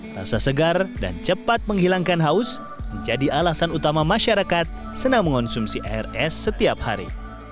rasa segar dan cepat menghilangkan haus menjadi alasan utama masyarakat senang mengonsumsi air es setiap hari